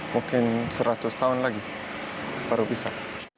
mungkin seratus tahun lagi baru bisa